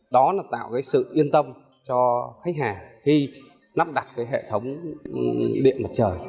đó là tạo sự yên tâm cho khách hàng khi nắm đặt hệ thống điện mặt trời